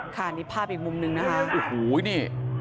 ค่ะนี่ภาพอีกมุมนึงนะคะ